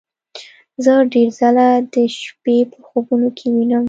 زه ډیر ځله د شپې په خوبونو کې وینم